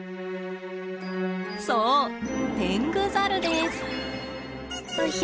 そうテングザルです！